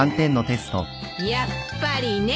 やっぱりね。